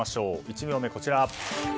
１行目はこちら。